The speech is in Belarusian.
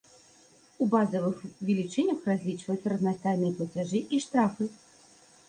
У базавых велічынях разлічваюцца разнастайныя плацяжы і штрафы.